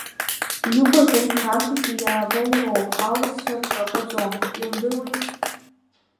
Иугаз ар Қарҭынтәи иаагоу роуп, аурысшәа рҿакәаӡом иумдыруеи.